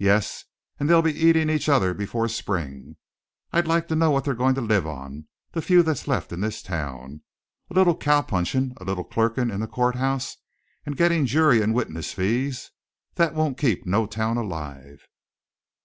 "Yes, and they'll be eatin' each other before spring! I'd like to know what they're goin' to live on, the few that's left in this town a little cow punchin', a little clerkin' in the courthouse and gittin' jury and witness fees. That won't keep no town alive."